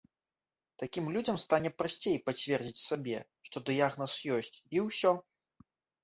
Такім людзям стане прасцей пацвердзіць сабе, што дыягназ ёсць, і ўсё!